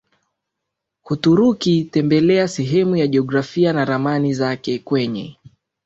Uturuki tembelea sehemu ya Jiografia na Ramani kwenye